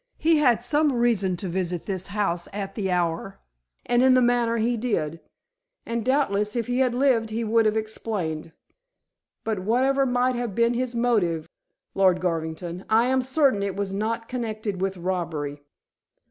He had some reason to visit this house at the hour and in the manner he did, and doubtless if he had lived he would have explained. But whatever might have been his motive, Lord Garvington, I am certain it was not connected with robbery."